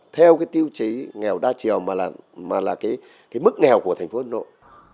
theo tiêu chí nghèo đa triều mà là mức nghèo của thành phố hà nội